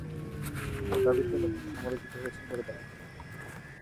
এসব দাবির জন্য তিনি সমালোচিত হয়েছেন বলে দাবি করেন।